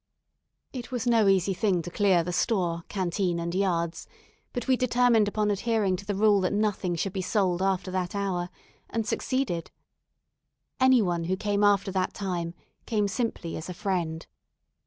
It was no easy thing to clear the store, canteen, and yards; but we determined upon adhering to the rule that nothing should be sold after that hour, and succeeded. Any one who came after that time, came simply as a friend.